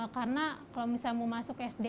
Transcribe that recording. karena kalau misalnya mau masuk sd